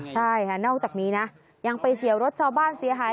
ใช่ค่ะนอกจากนี้นะยังไปเฉียวรถชาวบ้านเสียหาย